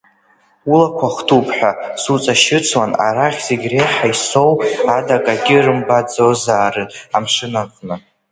Улақәа хтуп ҳәа суҵашьыцуан, арахь зегь реиҳа иссоу ада акагьы рымбаӡозаарын амшынаҟны.